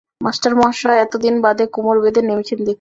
Master মহাশয় এতদিন বাদে কোমর বেঁধে নেমেছেন দেখছি।